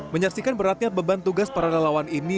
menyaksikan beratnya beban tugas para relawan ini